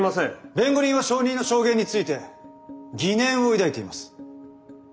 弁護人は証人の証言について疑念を抱いています。